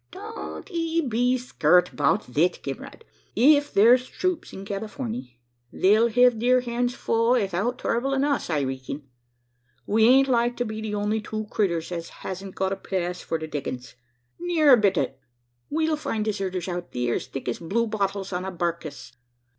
"Don't ee be skeert 'bout thet, kimrade! Ef theer's troops in Californey, they'll hev theer hands full 'ithout troublin' us, I reeking. We ain't like to be the only two critters as hain't got a pass for the diggins. Ne'er a bit o't. We'll find deserters out theer es thick as blue bottles on a barkiss.